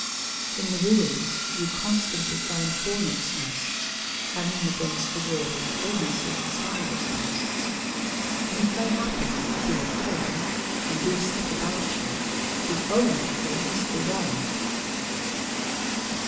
In the ruins you constantly find hornets' nests hanging against the walls almost like swallows' nests, and if they happen to be "at home" and do set about you, the only thing is to run.